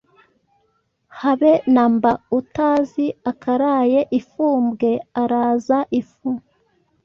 Habe na mba, Utazi akaraye i Fumbwe araza ifu